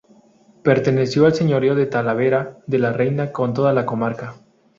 Perteneció al señorío de Talavera de la Reina, como toda la comarca.